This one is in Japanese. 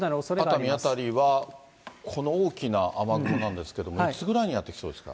これ、熱海辺りはこの大きな雨雲なんですけれども、いつぐらいにやって来そうですか？